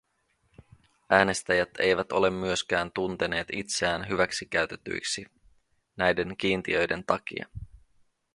Äänestäjät eivät ole myöskään tunteneet itseään hyväksikäytetyiksi näiden kiintiöiden takia.